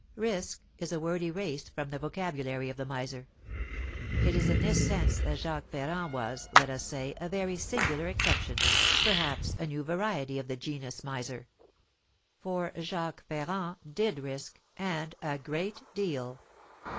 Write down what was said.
Risk is a word erased from the vocabulary of the miser. It is in this sense that Jacques Ferrand was, let us say, a very singular exception, perhaps a new variety of the genus Miser; for Jacques Ferrand did risk, and a great deal.